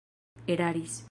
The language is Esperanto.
eraris